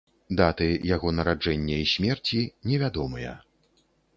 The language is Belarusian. Даты яго нараджэння і смерці невядомыя.